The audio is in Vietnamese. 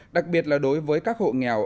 đặc biệt là đối với các hộ nghèo